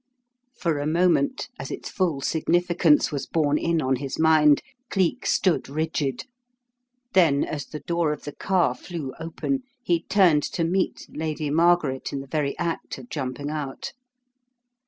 For a moment, as its full significance was borne in on his mind, Cleek stood rigid. Then as the door of the car flew open he turned to meet Lady Margaret in the very act of jumping out.